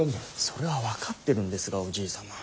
それは分かってるんですがおじい様。